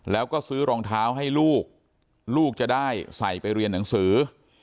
แล้วก็ซื้อรองเท้าให้ลูกลูกจะได้ใส่ไปเรียนหนังสือ